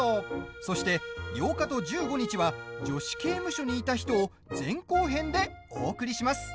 そして８日と１５日は「女子刑務所にいた人」を前後編でお送りします。